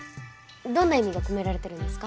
どんな意味が込められてるんですか？